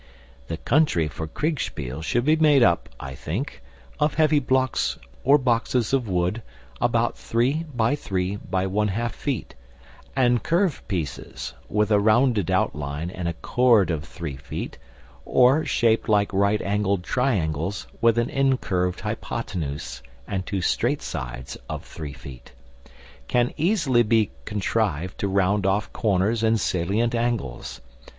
The country for Kriegspiel should be made up, I think, of heavy blocks or boxes of wood about 3 x 3 x 1/2 feet, and curved pieces (with a rounded outline and a chord of three feet, or shaped like right angled triangles with an incurved hypotenuse and two straight sides of 3 feet) can easily be contrived to round off corners and salient angles.